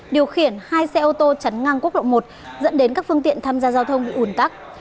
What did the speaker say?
điều khiển hai xe ô tô chắn ngang quốc lộ một dẫn đến các phương tiện tham gia giao thông bị ủn tắc